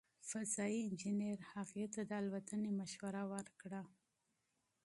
فضايي انجنیر هغې ته د الوتنې مشوره ورکړه.